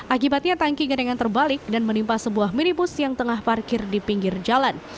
akibatnya tangki gedengan terbalik dan menimpa sebuah minibus yang tengah parkir di pinggir jalan